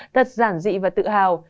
thật giản dị và tự hào